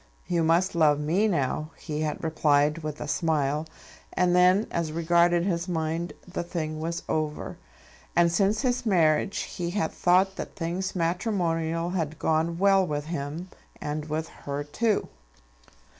"You must love me now," he had replied with a smile; and then as regarded his mind, the thing was over. And since his marriage he had thought that things matrimonial had gone well with him, and with her too.